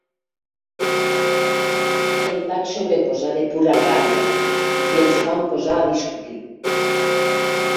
Em vaig sobreposar de pura ràbia i ens vam posar a discutir.